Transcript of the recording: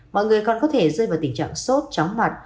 mọi người còn có thể rơi vào tình trạng sốt chóng mặt